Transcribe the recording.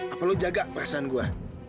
apa lu jaga perasaan gue